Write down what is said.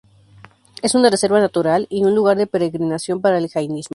Es una reserva natural, y un lugar de peregrinación para el jainismo.